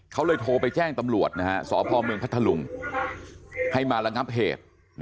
เขาเลยโทรไปแจ้งตำรวจสพเมืองพัทธลุงให้มาระงับเหตุ